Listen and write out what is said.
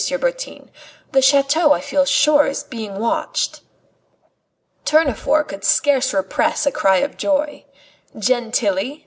Bertin. The chateau, I feel sure, is being watched." Tournefort could scarce repress a cry of joy. "Gentilly?